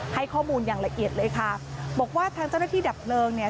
ให้ข้อมูลอย่างละเอียดเลยค่ะบอกว่าทางเจ้าหน้าที่ดับเพลิงเนี่ย